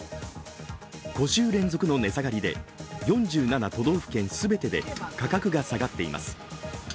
５週連続の値下がりで４７都道府県全てで価格が下がっています。